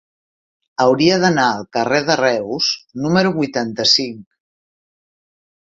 Hauria d'anar al carrer de Reus número vuitanta-cinc.